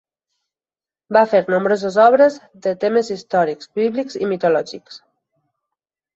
Va fer nombroses obres de temes històrics, bíblics i mitològics.